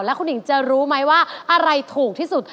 คุณหญิงจะรู้ไหมว่าอะไรถูกที่สุด